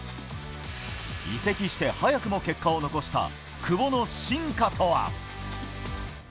移籍して早くも結果を残した久保の進化とは。